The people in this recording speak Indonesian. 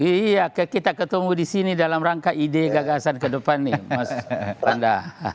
iya kita ketemu di sini dalam rangka ide gagasan ke depan nih mas panda